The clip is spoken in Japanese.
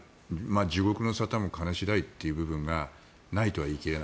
地獄の沙汰も金次第という部分がないとは言い切れない。